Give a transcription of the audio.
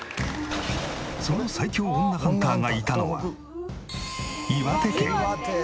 その最強女ハンターがいたのは。